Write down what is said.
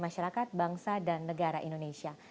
masyarakat bangsa dan negara indonesia